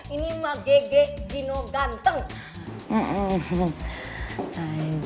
ini mah gege gino ganteng